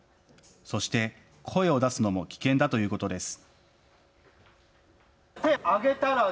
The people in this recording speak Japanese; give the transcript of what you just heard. そして声を出すのも危険だということです。